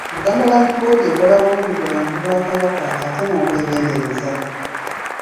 Buganda Land Board ekola bulungi ku bantu ba Kabaka ate n’obwegendereza.